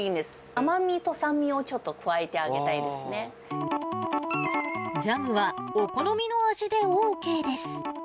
甘みと酸味をちょっと加えてあげジャムは、お好みの味でＯＫです。